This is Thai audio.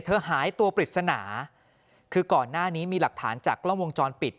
หายตัวปริศนาคือก่อนหน้านี้มีหลักฐานจากกล้องวงจรปิด